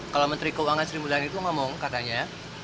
kalau menteri keuangan seri mulia ini tuh ngomong katanya